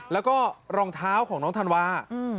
แล้วก็รองเท้าของน้องธันวา